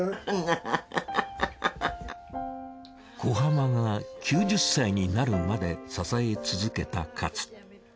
小浜が９０歳になるまで支え続けたかつ。